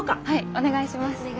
はいお願いします。